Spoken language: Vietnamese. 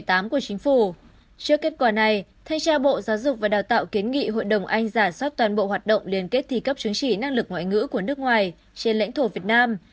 trước kết quả này thanh tra bộ giáo dục và đào tạo kiến nghị hội đồng anh giả soát toàn bộ hoạt động liên kết thi cấp chứng chỉ năng lực ngoại ngữ của nước ngoài trên lãnh thổ việt nam